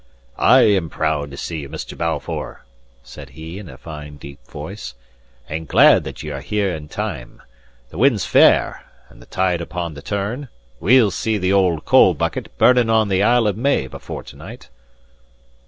"I am proud to see you, Mr. Balfour," said he, in a fine deep voice, "and glad that ye are here in time. The wind's fair, and the tide upon the turn; we'll see the old coal bucket burning on the Isle of May before to night."